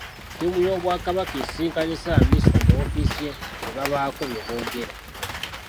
Ttiimu y’Obwakabaka esisinkanye Ssaabaminisita mu ofiisi ye ne babaako bye boogera.